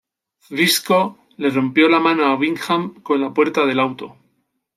Zbyszko le rompió la mano a Windham con la puerta del auto.